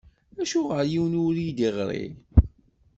Acuɣer yiwen ur yi-d-iɣṛi?